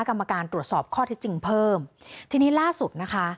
กรรมการตรวจสอบข้อที่จริงเพิ่มทีนี้ล่าสุดนะคะ